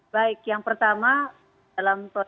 baik yang pertama dalam proses